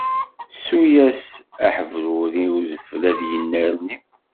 Ssu-yas aḥebruri i udfel ad yennerni.